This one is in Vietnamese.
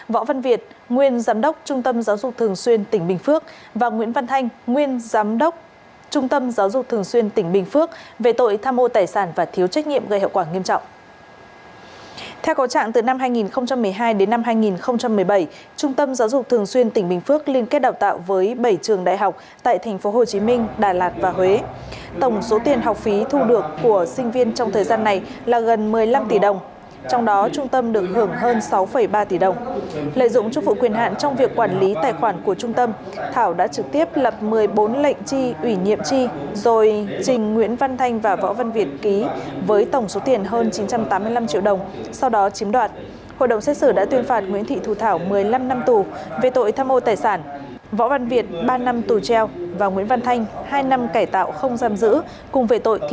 võ văn việt ba năm tù treo và nguyễn văn thanh hai năm cải tạo không giam giữ cùng về tội thiếu trách nhiệm gây hậu quả nghiêm trọng